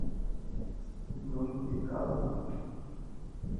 Blount et al.